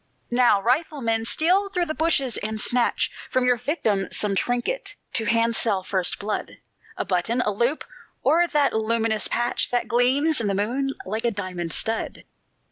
"Now, rifleman, steal through the bushes, and snatch From your victim some trinket to handsel first blood; A button, a loop, or that luminous patch That gleams in the moon like a diamond stud!"